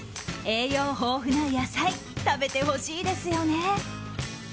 栄養豊富な野菜食べてほしいですよね。